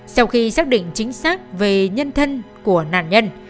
sau khi xác định chính xác về nhân thân của nạn nhân